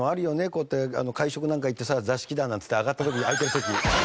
こうやって会食なんか行ってさ座敷だなんていって上がった時あいてる時。